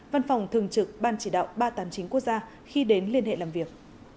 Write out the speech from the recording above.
văn phòng thường trực ban chỉ đạo ba trăm tám mươi chín quốc gia khi đến liên hệ làm việc